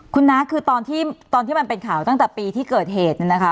คุณน้าคือตอนที่มันเป็นข่าวตั้งแต่ปีที่เกิดเหตุเนี่ยนะคะ